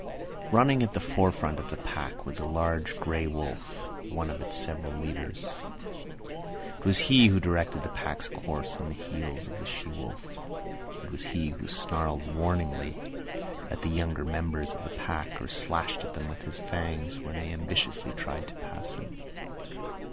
Running at the forefront of the pack was a large grey wolf—one of its several leaders. It was he who directed the pack's course on the heels of the she wolf. It was he who snarled warningly at the younger members of the pack or slashed at them with his fangs when they ambitiously tried to pass him.